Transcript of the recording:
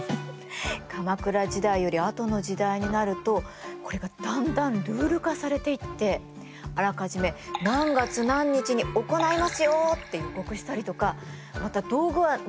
鎌倉時代よりあとの時代になるとこれがだんだんルール化されていってあらかじめ何月何日に行いますよって予告したりとかまた道具は何を使いますよって通告したりしたんだって。